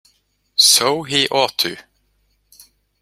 So he ought to.